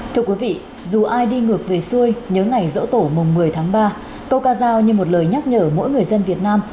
thưa quý vị dù ai đi ngược về xuôi nhớ ngày dỗ tổ mùng một mươi tháng ba câu ca giao như một lời nhắc nhở mỗi người dân việt nam